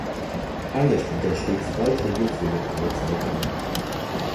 Ein Jahr später schrieb sie Beiträge für lokale Zeitungen.